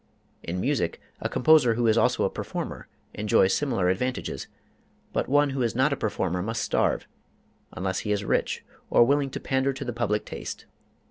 In music, a composer who is also a performer enjoys similar advantages, but one who is not a performer must starve, unless he is rich or willing to pander to the public taste.